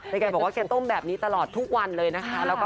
แกบอกว่าแกต้มแบบนี้ตลอดทุกวันเลยนะคะ